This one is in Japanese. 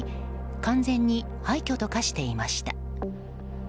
完全に廃墟と化していました。